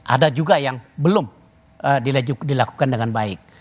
ada juga yang belum dilakukan dengan baik